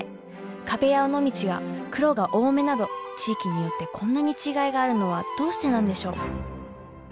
可部や尾道は黒が多めなど地域によってこんなに違いがあるのはどうしてなんでしょう。